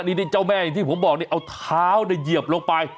นี่เจ้าแม่อย่างที่ผมบอกนี่เอาเท้าเหยียบลงไป